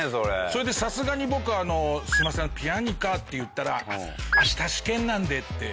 それでさすがに僕「すみませんピアニカ」って言ったら「明日試験なんで」って。